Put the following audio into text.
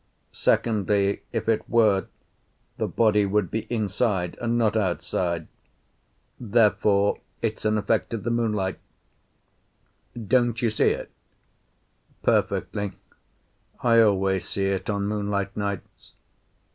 Secondly, if it were, the body would be inside and not outside. Therefore, it's an effect of the moonlight. Don't you see it?" "Perfectly; I always see it on moonlight nights."